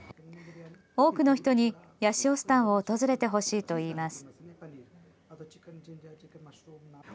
多くの人にヤシオスタンを訪れてほしいといいます。